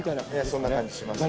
そんな感じしますよ。